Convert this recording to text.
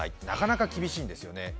なかなか厳しいんですよね。